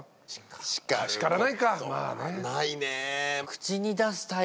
ないね。